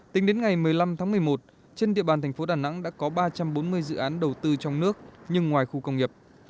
tính đến ngày một mươi năm tháng một mươi một trên địa bàn thành phố đà nẵng đã có ba trăm bốn mươi dự án đầu tư trong nước nhưng ngoài khu công nghiệp